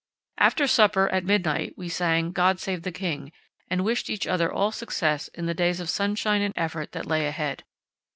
After supper at midnight we sang "God Save the King" and wished each other all success in the days of sunshine and effort that lay ahead.